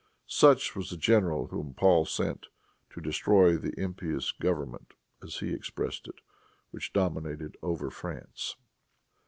Such was the general whom Paul sent "to destroy the impious government," as he expressed it, "which dominated over France."